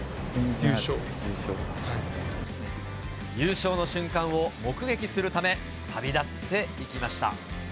優勝の瞬間を目撃するため、旅立っていきました。